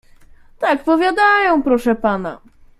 "Tak powiadają, proszę pana."